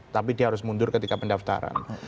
tapi dia harus mundur ketika pendaftaran